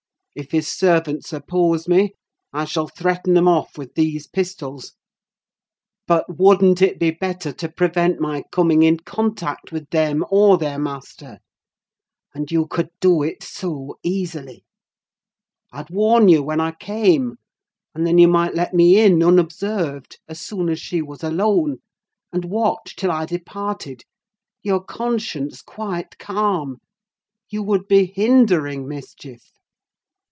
If his servants oppose me, I shall threaten them off with these pistols. But wouldn't it be better to prevent my coming in contact with them, or their master? And you could do it so easily. I'd warn you when I came, and then you might let me in unobserved, as soon as she was alone, and watch till I departed, your conscience quite calm: you would be hindering mischief."